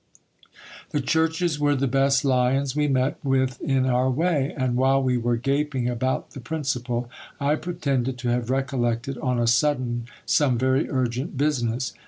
The churches were the best lions we met with in our way ; and while we were gaping about the principal, I pretended to have recollected on a sudden some very urgent business.